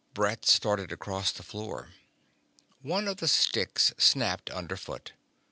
Brett started across the floor. One of the sticks snapped underfoot.